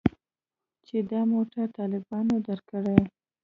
چې دا موټر طالبانو درکړى.